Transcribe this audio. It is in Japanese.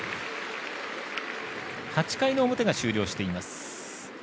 ８回の表が終了しています。